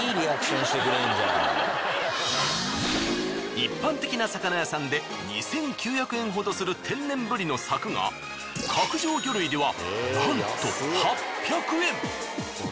一般的な魚屋さんで２，９００円ほどする天然ブリの柵が角上魚類ではなんと８００円。